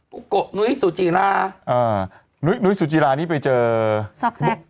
ปุ๊กโกะนุ้ยสุจีรานุ้ยสุจีรานี่ไปเจอซอกแซก